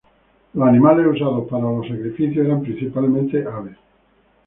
Los animales usados para los sacrificios eran principalmente aves.